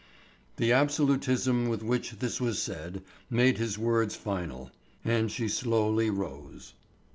The absolutism with which this was said made his words final; and she slowly rose.